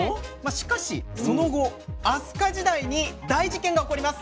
しかしその後飛鳥時代に大事件が起こります！